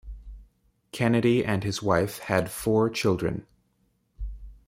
Kennedy and his wife had four children.